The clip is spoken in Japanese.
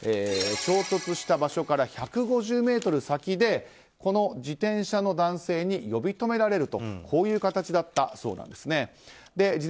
衝突した場所から１５０ｍ先でこの自転車の男性に呼び止められるという形だったそうです。